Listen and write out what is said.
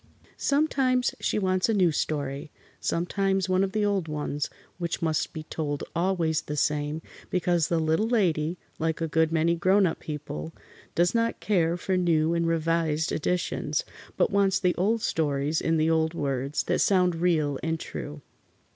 Sometimes she wants a new story. Sometimes one of the old ones, which must be told always the same, because the Little Lady, like a good many grown up people, does not care for new and revised editions, but wants the old stories in the old words, that sound real and true.